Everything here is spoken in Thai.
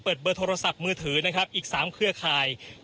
เปิดเบอร์โทรศัพท์มือถืออีก๓เครื่องการไข่